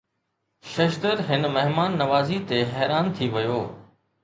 ششدر هن مهمان نوازي تي حيران ٿي ويو